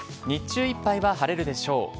日中いっぱいは晴れるでしょう。